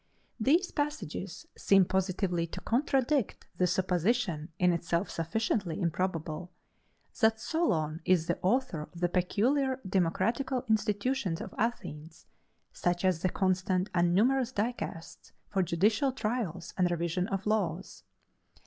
These passages seem positively to contradict the supposition, in itself sufficiently improbable, that Solon is the author of the peculiar democratical institutions of Athens, such as the constant and numerous dicasts for judicial trials and revision of laws.